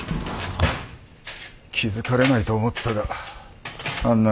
気付かれないと思ったがあんな